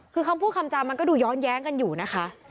คือคำพูดคำจามันก็ดูย้อนแย้งกันอยู่นะคะ